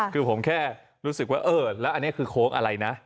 คือผมแค่รู้สึกว่าเออแล้วอันนี้คือโค้งอะไรนะ